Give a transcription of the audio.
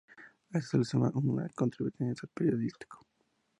A esto se le suma su contribuciones al periódico "St.